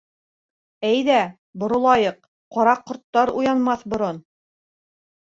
Әйҙә, боролайыҡ, ҡара ҡорттар уянмаҫ борон...